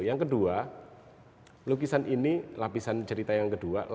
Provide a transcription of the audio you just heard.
yang kedua lukisan ini lapisan cerita yang kedua